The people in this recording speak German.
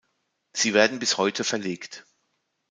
Sie werden bis heute verlegt.